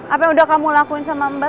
apa yang udah kamu lakuin sama mbak